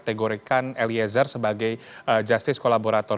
kategorikan eliezer sebagai justice kolaborator